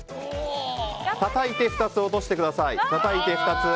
たたいて２つ落としてください。